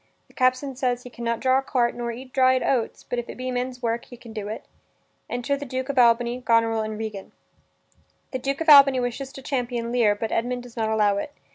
The captain says he can not draw a cart nor eat dried oats, but if it be men's work he can do it. Enter the Duke of Albany, Goneril, and Regan. The Duke of Albany wishes to champion Lear, but Edmund does not allow it.